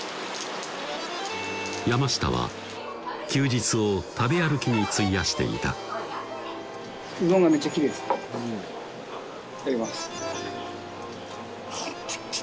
山下は休日を食べ歩きに費やしていたいただきます